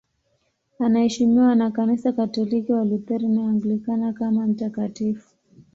Anaheshimiwa na Kanisa Katoliki, Walutheri na Waanglikana kama mtakatifu.